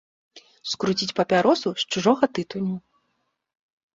Скруціць папяросу з чужога тытуню.